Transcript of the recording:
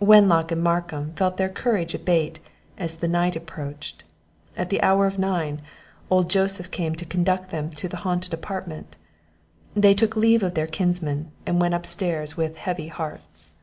Wenlock and Markham felt their courage abate as the night approached; At the hour of nine, old Joseph came to conduct them to the haunted apartment; they took leave of their kinsmen, and went up stairs with heavy hearts.